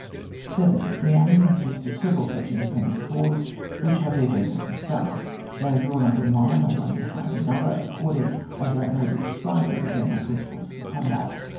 7. The army consists of several such independent corps, which have their generals and staff. They are drawn up in line, or one behind another, according as that may be prescribed by the general principles for the combat.